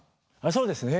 そうですね。